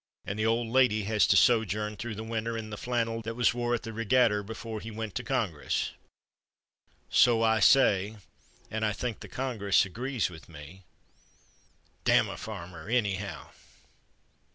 and the old lady has to sojourn through the winter in the flannel that was wore at the riggatter before he went to Congress. "So I say, and I think that Congress agrees with me. Damn a farmer, anyhow!"